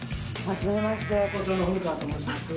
初めまして。